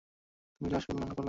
তুমি কি আসল না নকল ডাক্তার?